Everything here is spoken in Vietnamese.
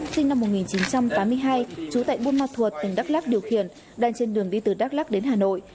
sinh năm một nghìn chín trăm tám mươi hai trú tại buôn ma thuật tỉnh đắk lắk điều khiển đang trên đường đi từ đắk lắk đến hà nội